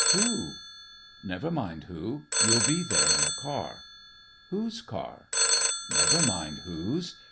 "Who?" "Never mind who. You'll be there in the car." "Whose car?" "Never mind whose.